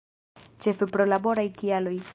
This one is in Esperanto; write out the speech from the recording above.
Ĉefe pro laboraj kialoj.